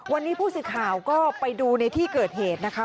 วันนี้ผู้สื่อข่าวก็ไปดูในที่เกิดเหตุนะคะ